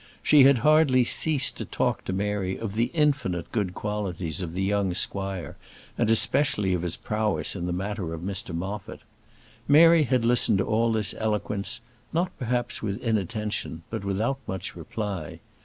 She had hardly ceased to talk to Mary of the infinite good qualities of the young squire, and especially of his prowess in the matter of Mr Moffat. Mary had listened to all this eloquence, not perhaps with inattention, but without much reply.